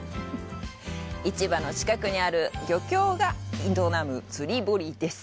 市場の近くにある漁協が営む釣り堀です。